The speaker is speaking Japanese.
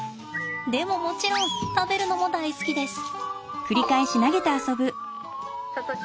でももちろん食べるのも大好きです。